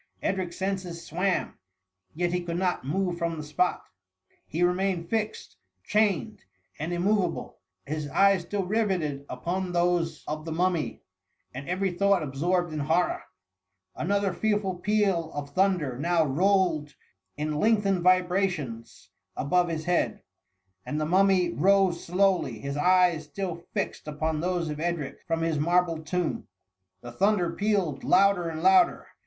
Edric^s senses swam, yet he could not move from the spot ; he remained fixed, chained, and immoveable, his eyes still rivetted upon those of the mum L 2 S@0 THE MUMMY. my, and every thought absorbed in horron Another fearful peal of thunder now rdled in lengthened vibrations above his bead, and the Mummy rose slowly, his eyes still fixed upon those of Edric, from his marble tomb. The thunder pealed louder and louder.